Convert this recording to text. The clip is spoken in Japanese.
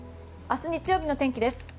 明日日曜日の天気です。